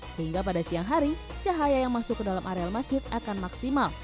sehingga pada siang hari cahaya yang masuk ke dalam areal masjid akan maksimal